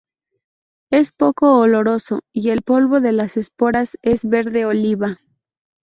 Es poco oloroso, y el polvo de las esporas es verde oliva.